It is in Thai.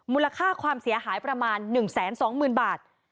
มูลค่าความเสียหายประมาณ๑๒๐๐๐บาท